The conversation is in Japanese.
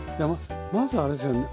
まずはあれですよね